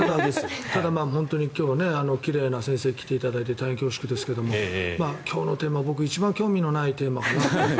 ただ、今日奇麗な先生に来ていただいて大変恐縮ですけども今日のテーマ、僕が一番興味のないテーマかな。